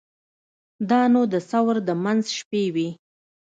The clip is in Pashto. دا نو د ثور د منځ شپې وې.